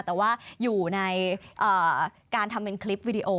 แต่ว่าอยู่ในการทำเป็นคลิปวิดีโอ